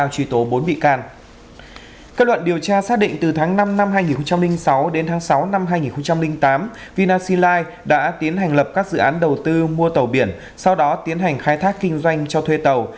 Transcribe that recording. kết luận điều tra xác định từ tháng năm năm hai nghìn sáu đến tháng sáu năm hai nghìn tám vinasili đã tiến hành lập các dự án đầu tư mua tàu biển sau đó tiến hành khai thác kinh doanh cho thuê tàu